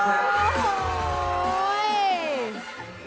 โอ้โห